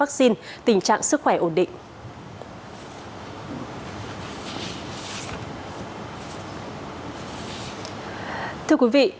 tình trạng sức khỏe ổn định